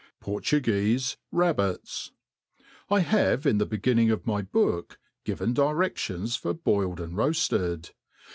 Portugutfe Rabhitu I HAVE, in the beginning of n^ book, given direfiions for bmled and roafled.